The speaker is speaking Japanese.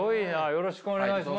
よろしくお願いします。